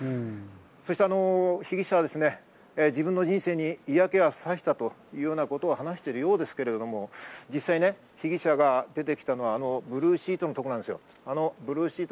そして被疑者は自分の人生に嫌気がさしたというようなことを話しているようですけれども、実際、被疑者が出てきたのはあのブルーシートの所なんですよ。